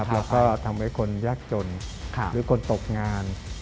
แล้วก็ทำให้คนยากจนหรือคนตกงาน